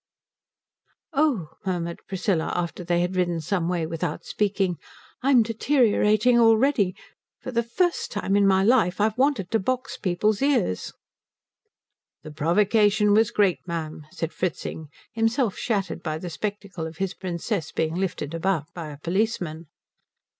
"Oh," murmured Priscilla, after they had ridden some way without speaking, "I'm deteriorating already. For the first time in my life I've wanted to box people's ears." "The provocation was great, ma'am," said Fritzing, himself shattered by the spectacle of his Princess being lifted about by a policeman.